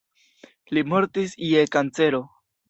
Li mortis je kancero.